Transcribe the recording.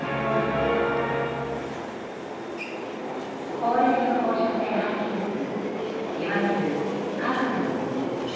高レベル放射性廃棄物いわゆる、核のごみ。